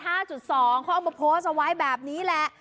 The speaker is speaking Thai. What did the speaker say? เขาเอามาโพสต์เอาไว้แบบนี้แหละ